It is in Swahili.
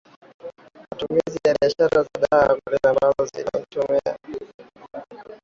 matumizi na biashara ya dawa za kulevya ambazo zimechochea